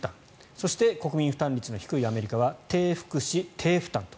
そして国民負担率の低いアメリカは低福祉・低負担と。